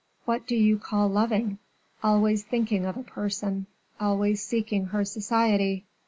"What do you call loving?" "Always thinking of a person always seeking her society."